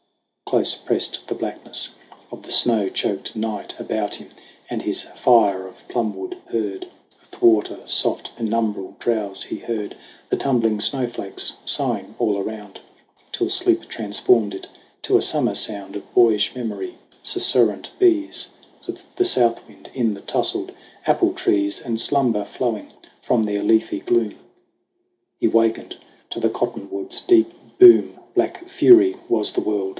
Close pressed the blackness of the snow choked night About him, and his fire of plum wood purred. Athwart a soft penumbral drowse he heard The tumbling snowflakes sighing all around, Till sleep transformed it to a Summer sound Of boyish memory susurrant bees, The Southwind in the tousled apple trees And slumber flowing from their leafy gloom. He wakened to the cottonwoods' deep boom. Black fury was the world.